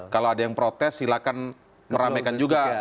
kalau ada yang protes silahkan meramekan juga